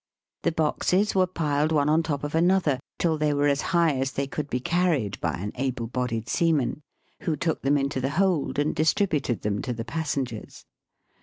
The boxes were piled one on top of another till they were as high as they could he carried by an able bodied seaman, who took them into the hold and distributed them to the passen gers.